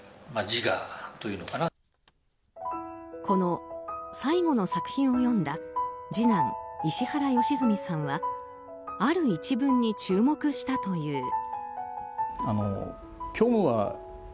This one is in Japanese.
この最後の作品を読んだ次男・石原良純さんはある１文に注目したという。